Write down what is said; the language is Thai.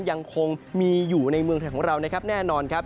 ยังคงมีอยู่ในเมืองไทยของเรานะครับแน่นอนครับ